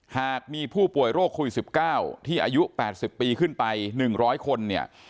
หากมีผู้ป่วยโรคโควิด๑๙ที่อายุ๘๐ปีขึ้นไป๑๐๐คนเนี่ย